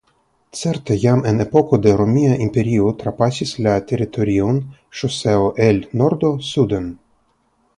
Certe jam en epoko de Romia Imperio trapasis la teritorion ŝoseo el nordo suden.